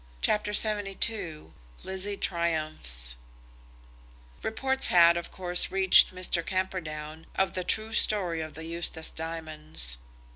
CHAPTER LXXII Lizzie Triumphs Reports had, of course, reached Mr. Camperdown of the true story of the Eustace diamonds.